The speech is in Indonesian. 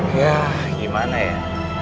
yah gimana ya